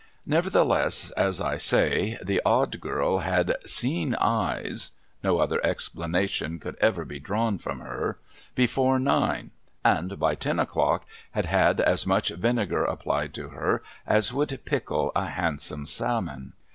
Nevertheless, as I say, the Odd Girl had 'seen Eyes' (no other explanation could ever be drawn from her), before nine, and by ten o'clock had had as much vinegar applied to her as would pickle a handsome salmon.